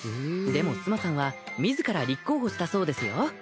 でも須磨さんは自ら立候補したそうですよ。